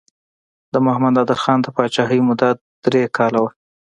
د محمد نادر خان د پاچاهۍ موده درې کاله وه.